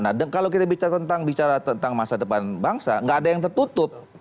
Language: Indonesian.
nah kalau kita bicara tentang bicara tentang masa depan bangsa gak ada yang tertutup